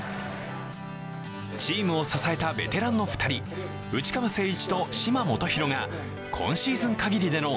チームを支えたベテランの２人、内川聖一と嶋基宏が今シーズンかぎりでの